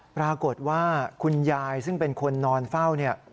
ปรากฏว่าคุณยายซึ่งเป็นคนนอนเฝ้าเนี่ย